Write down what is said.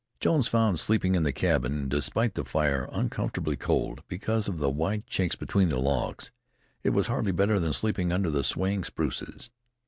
Jones found sleeping in the cabin, despite the fire, uncomfortably cold, because of the wide chinks between the logs. It was hardly better than sleeping under the swaying spruces.